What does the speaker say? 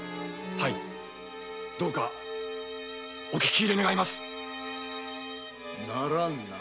はいどうかお聞き入れならんな